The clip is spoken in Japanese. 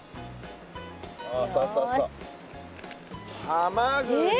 ハマグリ。